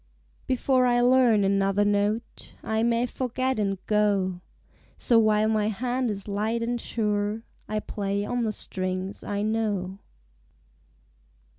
Before I learn another note I may forget and go, So while my hand is light and sure I play on the strings I know.